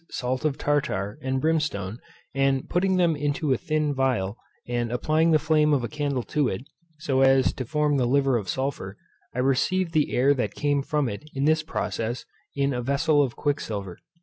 salt of tartar and brimstone, and putting them into a thin phial, and applying the flame of a candle to it, so as to form the liver of sulphur, I received the air that came from it in this process in a vessel of quicksilver.